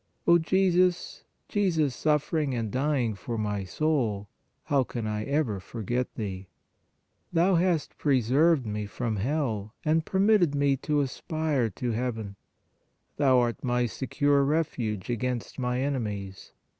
" O Jesus, Jesus suffering and dying for my soul, how can I ever forget Thee ? Thou hast preserved me from hell and permitted me to aspire to heaven ; Thou art my secure refuge against my enemies.